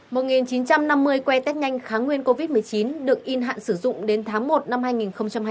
một nghìn chín trăm năm mươi que test nhanh kháng nguyên covid một mươi chín được in hạn sử dụng đến tháng một năm hai nghìn hai mươi